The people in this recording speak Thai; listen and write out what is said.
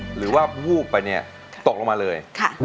หรือว่างูก็ตกลงมาเลย